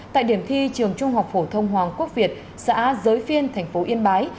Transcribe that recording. tại điểm thi trường trung học phổ thông hoàng quốc việt xã giới phiên tp yên bái